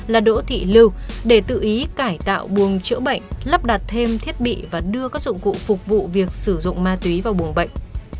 là đỗ thị lưu để tự ý cải tạo buồng chữa bệnh lắp đặt thêm thiết bị và đưa các dụng cụ phục vụ việc sử dụng ma túy vào buồng bệnh